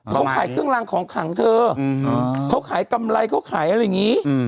เขาขายเครื่องรางของขังเธอเขาขายกำไรเขาขายอะไรอย่างนี้